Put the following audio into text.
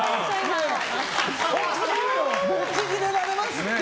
ブチギレられますって！